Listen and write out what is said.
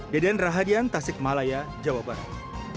deden rahadian tasik malaya jawa barat